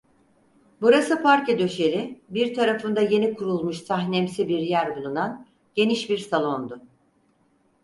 Burası parke döşeli, bir tarafında yeni kurulmuş sahnemsi bir yer bulunan geniş bir salondu.